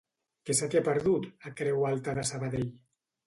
Què se t'hi ha perdut, a Creu alta de Sabadell?